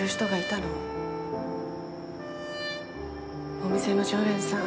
お店の常連さん。